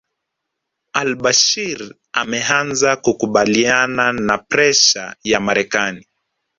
AlBashir ameanza kukubaliana na presha ya Marekani